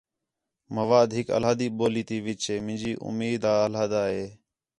مواد ہِک علاحدی ٻولی تے وِچ ہِے منجی اُمید آ علاحدہ ہِے۔